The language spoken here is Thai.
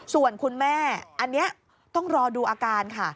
ส่วนคุณแม่อันนี้ต้องรอดูอาการค่ะ